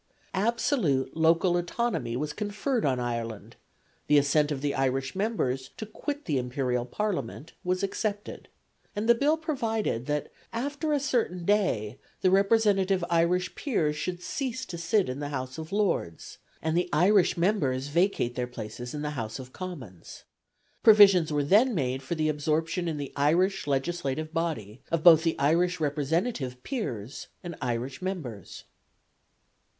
Absolute local autonomy was conferred on Ireland; the assent of the Irish members to quit the Imperial Parliament was accepted; and the Bill provided that after a certain day the representative Irish peers should cease to sit in the House of Lords, and the Irish members vacate their places in the House of Commons. Provisions were then made for the absorption in the Irish Legislative Body of both the Irish representative peers and Irish members.